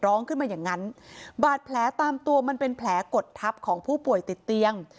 ร้องขึ้นมาอย่างงั้นบาดแผลตามตัวมันเป็นแผลกดทับของผู้ป่วยติดเตียง